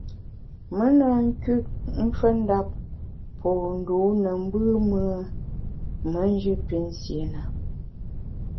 Me na nküt mfendap po ndû ne mbùm-ùe me njù pinsié na.